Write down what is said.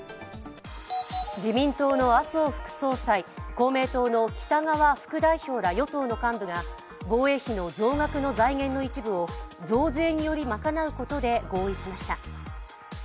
自民党の麻生副総裁、公明党の北側副代表の与党の幹部が防衛費の増額の財源の一部を増税により賄うことで合意しました。